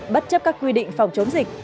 bất chấp các quy định phòng chống dịch